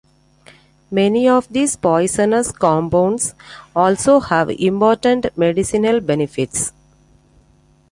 Many of these poisonous compounds also have important medicinal benefits.